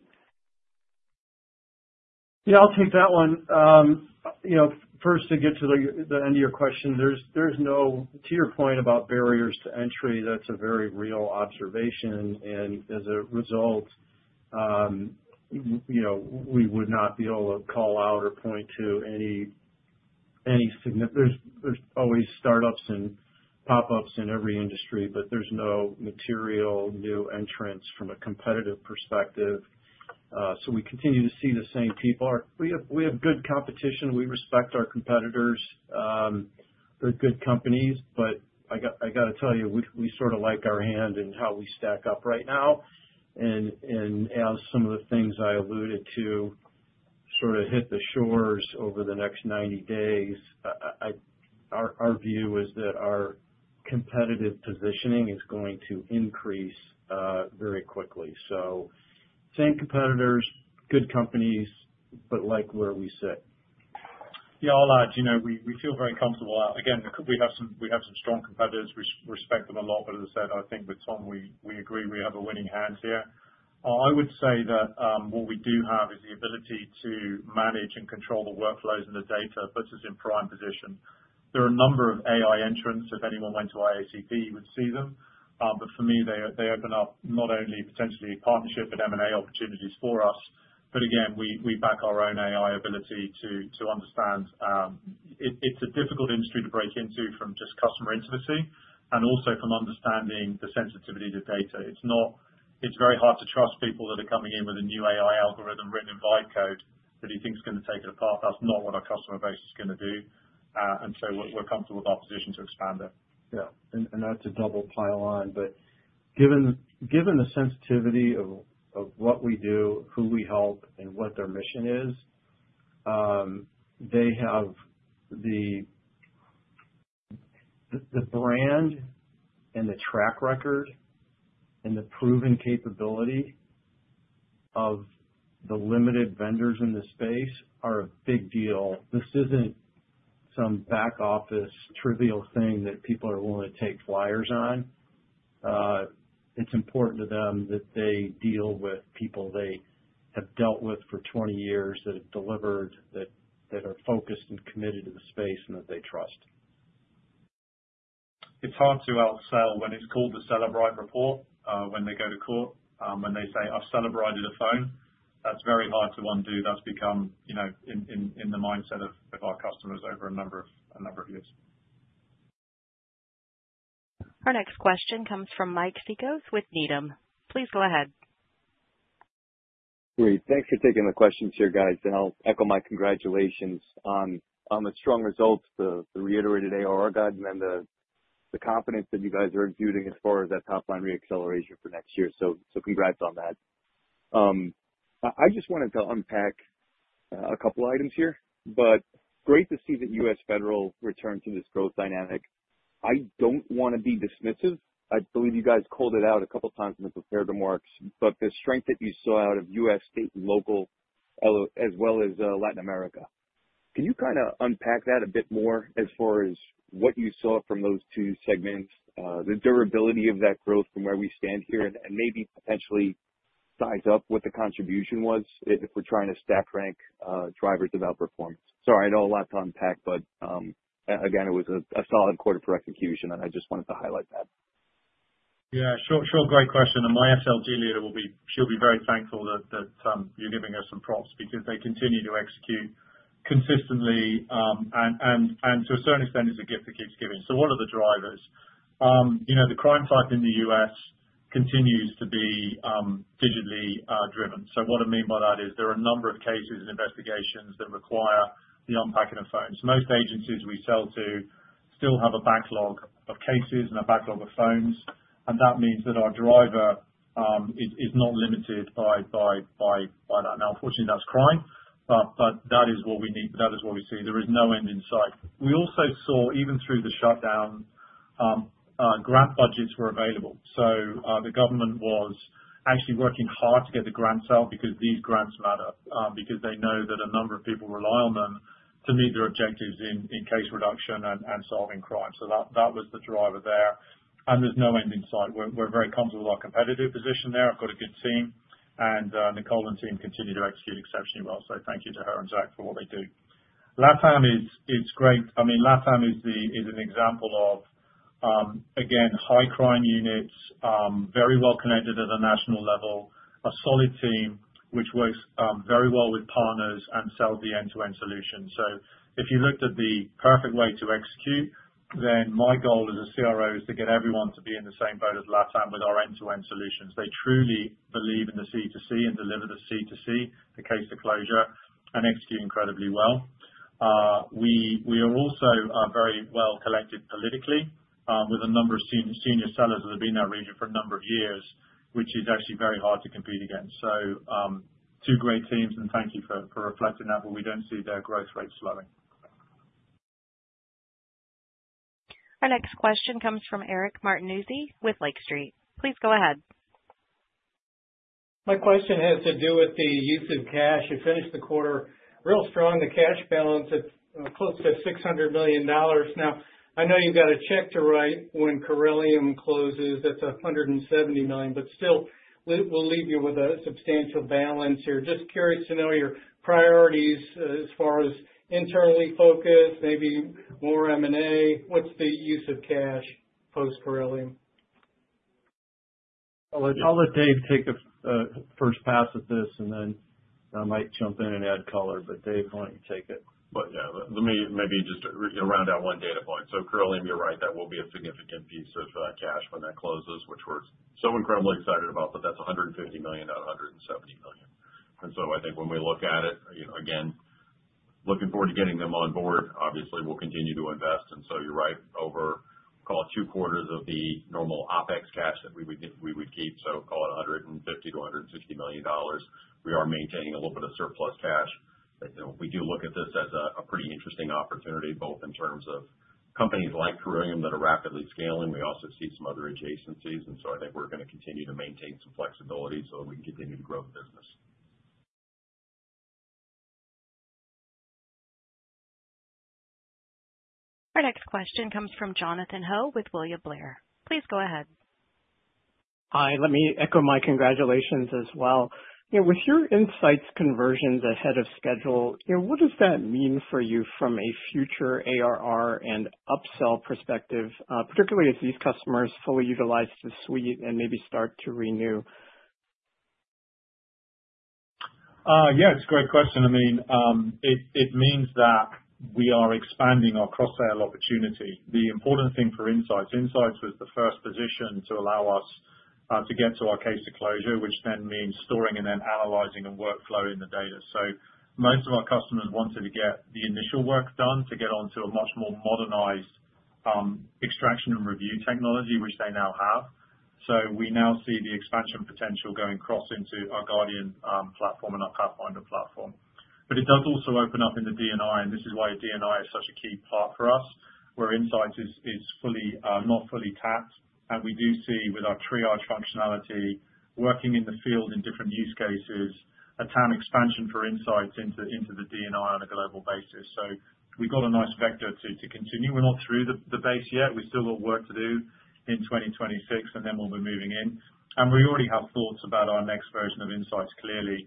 Yeah, I'll take that one. You know, first, to get to the end of your question, there's no. To your point about barriers to entry, that's a very real observation, and as a result. You know, we would not be able to call out or point to any significant. There's always startups and pop ups in every industry but there's no material new entrants from a competitive perspective. So we continue to see the same people. We have good competition, we respect our competitors, they're good companies. But I gotta tell you, we sort of like our hand in how we stack up right now, and as some of the things I alluded to sort of hit the shores over the next 90 days. Our view is that our competitive positioning is going to increase very quickly, so same competitors, good companies, but like where we sit. Yeah, I'll add, we feel very comfortable. Again, we have some strong competitors, we respect them a lot. But as I said, I think with Tom, we agree we have a winning hand here. I would say that what we do have is the ability to manage and control the workflows in the data puts us in prime position. There are a number of AI entrants. If anyone went to IACP, you would see them. But for me they open up not only potentially partnership and M&A opportunities for us, but again we back our own AI ability to understand. It's a difficult industry to break into from just customer intimacy and also from understanding the sensitivity to data. It's very hard to trust people that are coming in with a new AI algorithm written in Vibecode that he thinks going to take it apart. That's not what our customer base is going to do, and so we're comfortable with our position to expand it. Yeah, and that's a double pile on. But given the sensitivity of what we do, who we help and what their mission is, they have the brand and the track record and the proven capability. Of the limited vendors in the space are a big deal. This isn't some back office trivial thing that people are willing to take flyers on. It's important to them that they deal with people they have dealt with for 20 years, that have delivered, that are focused and committed to the space and that they trust. It's hard to outsell when it's called the Cellebrite Report, when they go to court, when they say I've Cellebrited a phone. That's very hard to undo. That's become in the mindset of our customers over a number of years. Our next question comes from Mike Cikos with Needham. Please go ahead. Great. Thanks for taking the questions here guys. I'll echo my congratulations on the strong results, the reiterated ARR guidance, and then the confidence that you guys are exuding as far as that top line reacceleration for next year. Congrats on that. I just wanted to unpack a couple. Items here, but great to see that U.S. Federal return to this growth dynamic. I don't want to be dismissive. I believe you guys called it out a couple times in the prepared remarks. But the strength that you saw out of U.S. state and local as well as Latin America. Can you kind of unpack that a bit more as far as what you? Saw from those two segments, the durability of that growth from where we stand. Here and maybe potentially size up what the contribution was if we're trying to stack rank drivers of outperformance. Sorry, I know a lot to unpack. But again it was a solid quarter for execution and I just wanted to highlight that. Yeah, sure, great question. And my SLG leader will be she'll be very thankful that giving us some props because they continue to execute consistently and to a certain extent it's a gift that keeps giving. So what are the drivers? The crime type in the U.S. continues to be digitally driven. So what I mean by that is there are a number of cases and investigations that require the unpacking of phones. Most agencies we sell to still have a backlog of cases and a backlog of phones and that means that our driver is not limited by that. Now unfortunately that's crime, but that is what we need, that is what we see. There is no end in sight. We also saw even through the shutdown grant budgets were available. So the government was actually working hard to get the grants out because these grants matter because they know that a number of people rely on them to meet their objectives in case reduction and solving crime. So that was the driver there and there's no end in sight. We're very comfortable with our competitive position there. I've got a good team and Nicole and team continue to execute exceptionally well. So thank you to her and Zack, for what they do. Latam is great. I mean LATAM is an example of again high-crime units very well connected at a national level, a solid team which works very well with partners and sells the end-to-end solutions. So if you looked at the perfect way to execute then my goal as a CRO is to get everyone to be in the same boat as Latam with our end-to-end solutions. They truly believe in the C2C and deliver the C2C the case to closure and execute incredibly well. We are also very well connected politically with a number of senior sellers that have been in that region for a number of years, which is actually very hard to compete against. So two great teams and thank you for reflecting that. But we don't see their growth rate slowing. Our next question comes from Eric Martinuzzi with Lake Street. Please go ahead. My question has to do with the use of cash. It finished the quarter real strong. The cash balance at close to $600 million. Now I know you've got a check to write when Corellium closes. That's $170 million. But still we'll leave you with a substantial balance here. Just curious to know your priorities as far as internally focused, maybe more M&A. What's the use of cash post Corellium. I'll let Dave take a first pass at this and then I might jump in and add color. But Dave, why don't you take it? Yeah, let me maybe just round out one data point. So Caroline, you're right, that will be a significant piece of cash when that closes, which we're so incredibly excited about. But that's $150 million out of $170 million. And so I think when we look at it again, looking forward to getting them on board. Obviously we'll continue to invest and so you're right over call it two quarters of the normal OpEx cash that we would keep. So call it $150 to $160 million dollars. We are maintaining a little bit of surplus cash. We do look at this as a pretty interesting opportunity both in terms of companies like that are rapidly scaling. We also see some other adjacencies and so I think we're going to continue to maintain some flexibility so we can continue to grow the business. Our next question comes from Jonathan Ho with William Blair. Please go ahead. Hi. Let me echo my congratulations as well with your Inseyets conversions ahead of schedule. What does that mean for you from a future ARR and upsell perspective, particularly as these customers fully utilize the suite and maybe start to renew? Yeah, it's a great question. I mean it means that we are expanding our cross-sell opportunity. The important thing for Inseyets was the first position to allow us to get to our C2C, which then means storing and then analyzing and workflowing the data. So most of our customers wanted to get the initial work done to get onto a much more modernized extraction and review technology, which they now have. So we now see the expansion potential going across into our Guardian platform and our Pathfinder platform. But it does also open up in the D&I. And this is why D&I is such a key part for us where Inseyets is not fully tapped. And we do see, with our triage functionality working in the field in different use cases, a TAM expansion for Inseyets into the D&I on a global basis. So we've got a nice vector to continue. We're not through the base yet. We still got work to do in 2026 and then we'll be moving in. And we already have thoughts about our next version of Inseyets, clearly,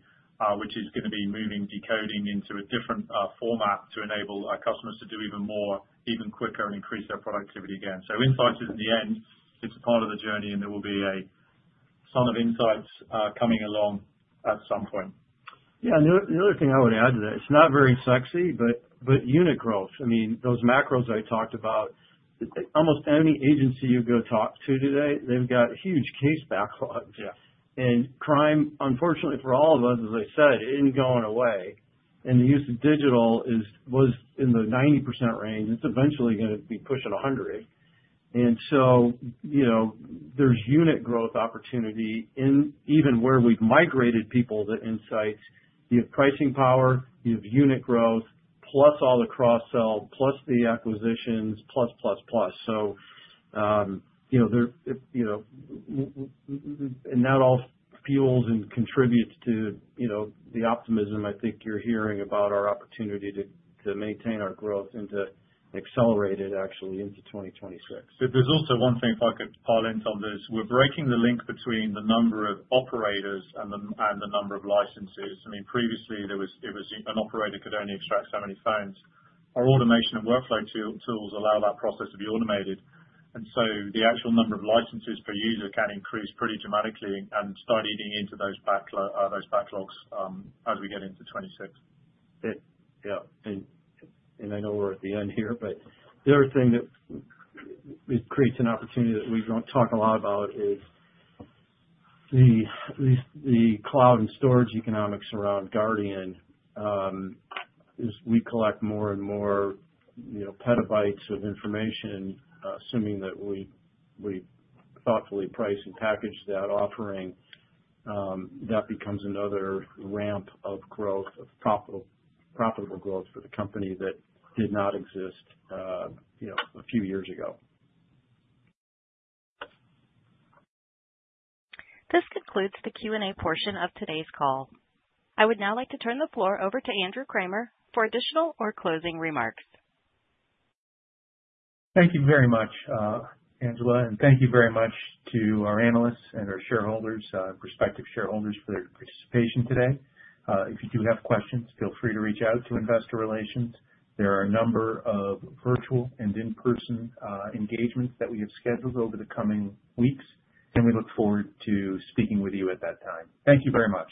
which is going to be moving decoding into a different format to enable our customers to do even more even quicker and increase their productivity again. So Inseyets is, in the end, it's part of the journey and there will be a son of Inseyets coming along at some point. Yeah. The other thing I would add to that, it's not very sexy, but unit growth, I mean those macros I talked about, almost any agency you go talk to today, they've got huge case backlogs and crime, unfortunately for all of us, as I said, isn't going away and the use of digital was in the 90% range. It's eventually going to be pushing 100%. And so there's unit growth opportunity in even where we've migrated people to Inseyets. You have pricing power, you have unit growth plus all the cross sell, plus, the acquisitions, plus, plus, plus. So, that all fuels and contributes to the optimism. I think you're hearing about our opportunity to maintain our growth and to accelerate it actually into 2026. There's also one thing, if I could pile in, Tom, we're breaking the link between the number of operators and the number of licenses. I mean, previously an operator could only extract so many phones. Our automation and workflow tools allow that process to be automated. And so the actual number of licenses per user can increase pretty dramatically and start eating into those backlogs. Those backlogs as we get into 2026. Yeah, and I know we're at the end here, but the other thing that creates an opportunity that we don't talk a lot about is. The cloud and storage economics around Guardian. We collect more and more petabytes of information, assuming that we thoughtfully price and package that offering. That becomes another ramp of growth, of profitable growth for the company that did not exist a few years ago. This concludes the Q and A portion of today's call. I would now like to turn the floor over to Andrew Kramer for additional or closing remarks. Thank you very much, Angela. And thank you very much to our analysts and our shareholders, prospective shareholders, for their participation today. If you do have questions, feel free to reach out to Investor Relations. There are a number of virtual and in person engagements that we have scheduled over the coming weeks, and we look forward to speaking with you at that time. Thank you very much.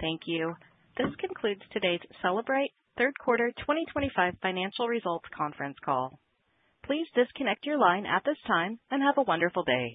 Thank you. This concludes today's Cellebrite's third quarter 2025 financial results conference call. Please disconnect your line at this time and have a wonderful day.